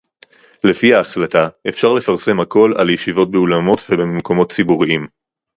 לפי ההחלטה אפשר לפרסם הכול על ישיבות באולמות ובמקומות ציבוריים